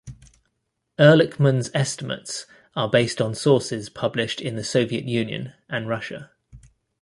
Erlikman's estimates are based on sources published in the Soviet Union and Russia.